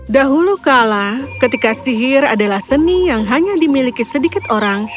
dahulu kala ketika sihir adalah seni yang hanya dimiliki sedikit orang